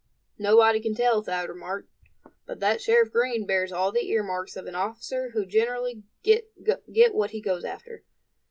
"Nobody can tell," Thad remarked; "but that Sheriff Green bears all the earmarks of an officer who generally get what he goes after."